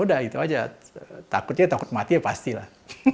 udah itu aja takutnya takut mati ya pasti lah